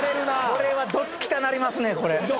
これはどつきたなりますね。